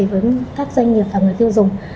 với các doanh nghiệp và người tiêu dùng